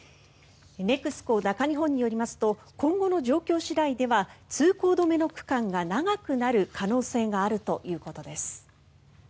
ネクスコ中日本によりますと今後の状況次第では通行止めの区間が長くなる可能性があるということです。